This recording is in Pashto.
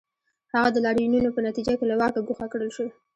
هغه د لاریونونو په نتیجه کې له واکه ګوښه کړل شو.